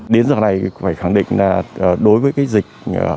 đến giờ này phải khẳng định là đối với cái dịch